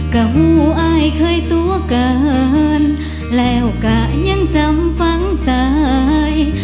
ก็หูอายเคยตัวเกินแล้วก็ยังจำฝังใจ